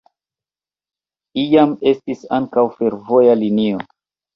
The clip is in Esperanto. Iam estis ankaŭ fervoja linio.